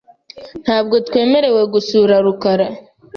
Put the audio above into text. Ntabwo twemerewe gusura rukara .